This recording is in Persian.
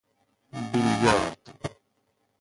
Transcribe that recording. بلیارد